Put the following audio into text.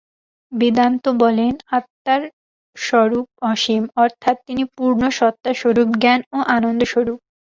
বেদান্ত বলেন, আত্মার স্বরূপ অসীম অর্থাৎ তিনি পূর্ণ সত্তাস্বরূপ, জ্ঞান ও আনন্দ-স্বরূপ।